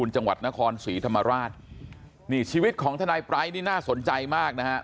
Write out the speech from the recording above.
จังหวัดนครศรีธรรมราชนี่ชีวิตของทนายปรายนี่น่าสนใจมากนะฮะ